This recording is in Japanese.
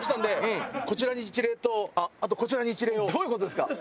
どういう事ですか？